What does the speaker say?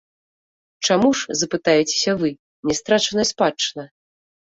Чаму ж, запытаецеся вы, нястрачаная спадчына?